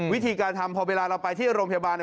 วิธีการทำพอเวลาเราไปที่โรงพยาบาลเนี่ย